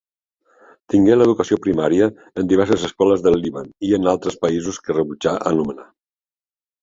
Tingué l'educació primària en diverses escoles del Líban i en altres països que rebutjà anomenar.